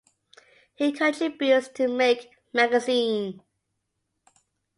He contributes to "Make" magazine.